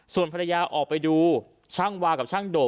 ส่วนภรรยาออกไปดูช่างวากับช่างโดก